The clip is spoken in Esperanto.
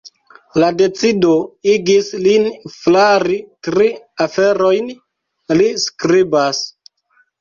La decido igis lin flari tri aferojn, li skribas.